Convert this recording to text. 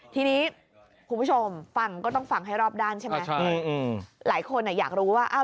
ทีนี้คุณผู้ชมฟังก็ต้องฟังให้รอบด้านใช่ไหมหลายคนอ่ะอยากรู้ว่า